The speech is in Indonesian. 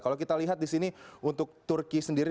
kalau kita lihat di sini untuk turki sendiri